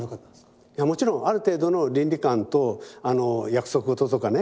もちろんある程度の倫理観と約束事とかね